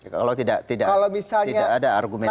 kalau tidak ada argumentasi